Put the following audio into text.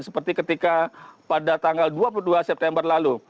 seperti ketika pada tanggal dua puluh dua september lalu